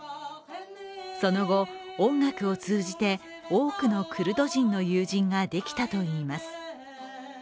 その後、音楽を通じて多くのクルド人の友人ができたといいます。